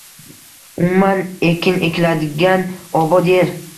Umuman ekin ekiladigan, obod yer